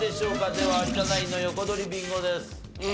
では有田ナインの横取りビンゴです。